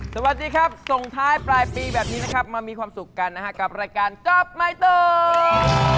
สวัสดีครับส่งท้ายปลายปีแบบนี้นะครับมามีความสุขกันนะฮะกับรายการกับใบตอง